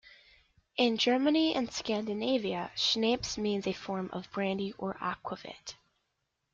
In Germany and Scandinavia, schnapps means a form of brandy or aquavit.